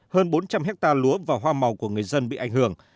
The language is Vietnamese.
hơn bốn trăm linh hectare lúa và hoa màu của người dân bị ảnh hưởng